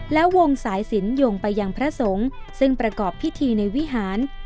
แล้ววงสายสินโยงไปยังพระสงฆ์ซึ่งประกอบพิธีในวิหาร